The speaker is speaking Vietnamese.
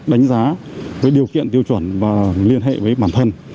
đánh giá điều kiện tiêu chuẩn và liên hệ với bản thân